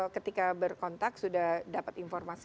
ketika berkontak sudah dapat informasi